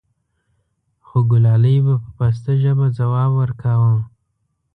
خوګلالۍ به په پسته ژبه ځواب وركا و :